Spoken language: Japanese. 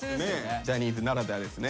ジャニーズならではですね。